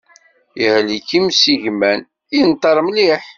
Ihlek imsigman, inṭer mliḥ.